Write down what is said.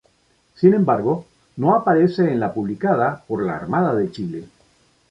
Sin embargo no aparece en la publicada por la Armada de Chile.